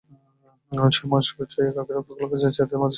মাস ছয়েক আগে রফিকুল কাজ ছেড়ে মাদকসেবীদের সঙ্গে মিশে নেশাগ্রস্ত হয়ে পড়েন।